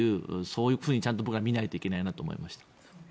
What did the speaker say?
そういうふうに見ないといけないなと思いました。